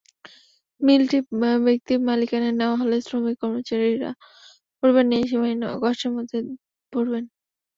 মিলটি ব্যক্তি মালিকানায় নেওয়া হলে শ্রমিক-কর্মচারীরা পরিবার নিয়ে সীমাহীন কষ্টের মধ্যে পড়বেন।